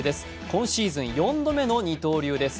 今シーズン４度目の二刀流です。